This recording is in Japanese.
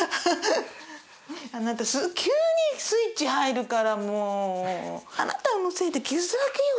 あなた急にスイッチ入るからもう。あなたのせいで傷だらけよ